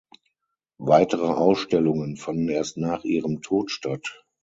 Weitere Ausstellungen fanden erst nach ihrem Tod statt.